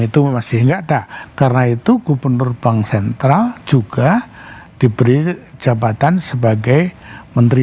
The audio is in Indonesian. itu masih enggak ada karena itu gubernur bank sentral juga diberi jabatan sebagai menteri